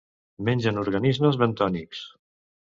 Mengen organismes bentònics.